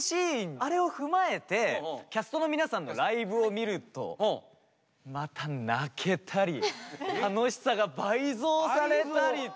あれを踏まえてキャストの皆さんのライブを見るとまた泣けたり楽しさが倍増されたりと！